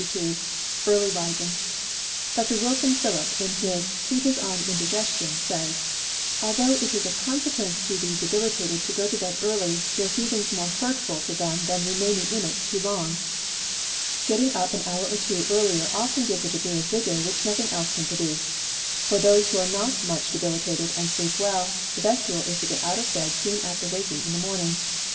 Early Rising. Dr. Wilson Philip, in his "Treatise on Indigestion," says: "Although it is of consequence to the debilitated to go early to bed, there are few things more hurtful to them than remaining in it too long. Getting up an hour or two earlier often gives a degree of vigour which nothing else can procure. For those who are not much debilitated, and sleep well, the best rule is to get out of bed soon after waking in the morning.